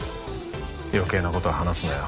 余計な事は話すなよ。